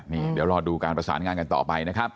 นี่เดี๋ยวรอดูการประสานงานกันต่อไปนะครับ